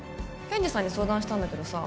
ケンジさんに相談したんだけどさ